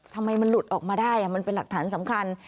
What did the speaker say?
ทำไมมันหลุดออกมาได้มันเป็นหลักฐานสำคัญ